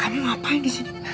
kamu ngapain disini